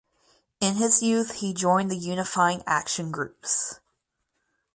In his youth he joined the Unifying Action Groups.